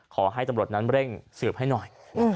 ขอให้ตำรวจนั้นเร่งสืบให้หน่อย